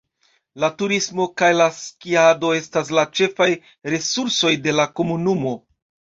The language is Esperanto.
La turismo kaj la skiado estas la ĉefaj resursoj de la komunumo.